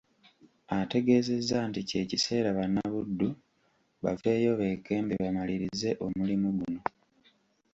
Ategeezezza nti kye kiseera bannabuddu baveeyo beekembe bamalirize omulimu guno.